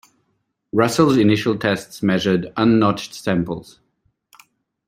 Russell's initial tests measured un-notched samples.